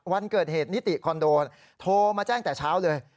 วันเกิดเหตุนิติคอนโดโทรมาแจ้งแต่เช้าเลย